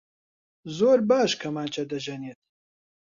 زۆر باش کەمانچە دەژەنێت.